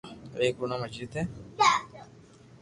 ايڪ رو نوم اجيت ھي